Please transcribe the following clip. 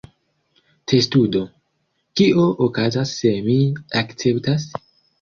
Testudo: "Kio okazas se mi akceptas?"